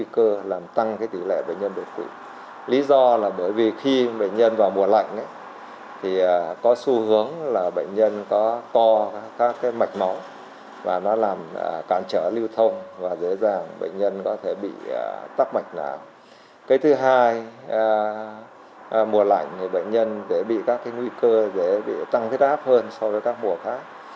cái thứ hai mùa lạnh thì bệnh nhân sẽ bị các nguy cơ tăng thết áp hơn so với các mùa khác